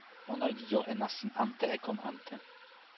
ona li jo e nasin ante e kon ante.